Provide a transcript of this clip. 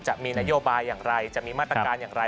จะมีนโยบายอย่างไรจะมีมาตรการอย่างไร